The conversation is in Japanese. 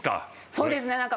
そうですね。